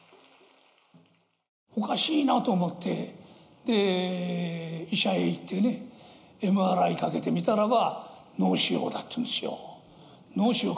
おかしいなと思って、医者へ行ってね、ＭＲＩかけてみたらば、脳腫瘍だって言うんですよ。